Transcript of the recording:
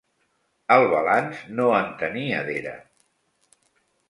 El balanç no en tenia d'era.